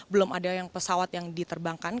belum ada pesawat yang diterbangkan